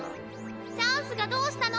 ・チャンスがどうしたの？